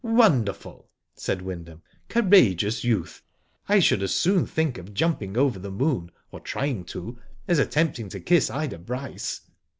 " Wonderful," said Wyndham. " Courageous youth. I should as soon think of jumping over the moon or trying to, as attempting to kiss Ida Bryce."